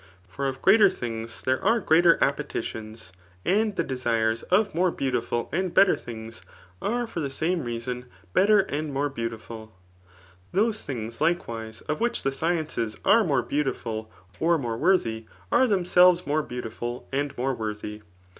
For of greater things there are greater appedtions ; and the de sires of more beautiful and better things, are for the same reason better and more beautiful. Those things, like^ wise, of which the sciences are more beautiful or more .worthy, are themselves more beautiful and more worthy.